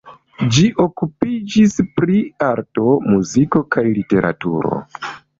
Ĝi okupiĝis pri arto, muziko kaj literaturo.